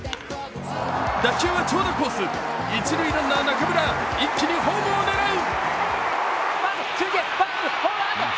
打球は長打コース、一塁ランナー・中村、一気にホームを狙う！